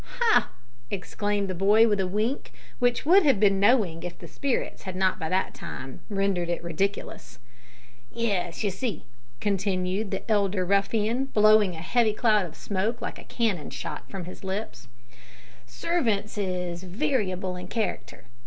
"Ha!" exclaimed the boy, with a wink, which would have been knowing if the spirits had not by that time rendered it ridiculous. "Yes, you see," continued the elder ruffian, blowing a heavy cloud of smoke like a cannon shot from his lips, "servants is wariable in character.